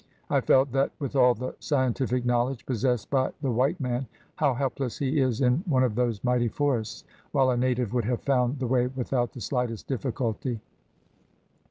I felt that with all the scientific knowledge possessed by the white man, how helpless he is in one of those mighty forests, while a native would have found the way without the slightest difficulty.